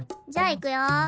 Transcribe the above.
じゃあいくよ。